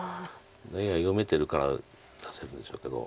ＡＩ読めてるから助かるんでしょうけど。